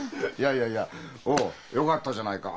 いやいやおうよかったじゃないか。